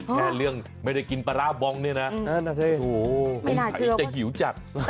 แค่เรื่องไม่ได้กินปลาร่าบองเนี่ยนะไม่น่าเชื่อว่าจะหิวจัก